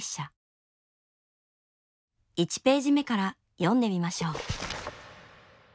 １ページ目から読んでみましょう。